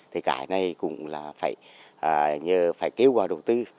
thì cái này cũng là phải kêu gọi đầu tư